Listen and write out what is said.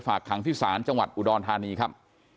ฝากขังที่ศาลจังหวัดอุดรธานีครับ